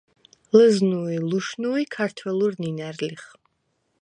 ლჷზნუ ი ლუშნუი̄ ქართველურ ნჷნა̈რ ლიხ.